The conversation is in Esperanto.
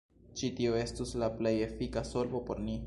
Ĉi tio estus la plej efika solvo por ni.